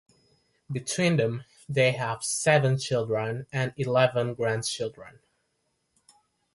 Between them they have seven children and eleven grandchildren.